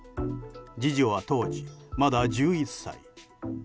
次女は当時まだ１１歳。